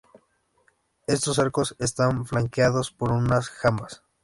Estos arcos están flanqueados por unas jambas.